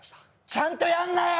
ちゃんとやんな！